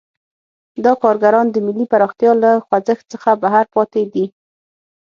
دا کارګران له ملي پراختیا او خوځښت څخه بهر پاتې دي.